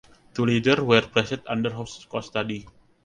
Two leaders were placed under house custody.